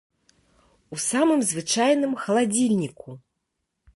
У самым звычайным халадзільніку!